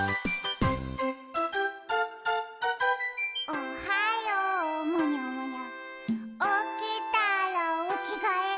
「おはようむにゃむにゃおきたらおきがえ」